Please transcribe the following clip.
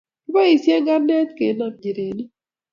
kiboisien karne kenam nchirenik.